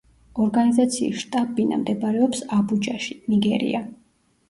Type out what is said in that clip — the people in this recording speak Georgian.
ორგანიზაციის შტაბ-ბინა მდებარეობს აბუჯაში, ნიგერია.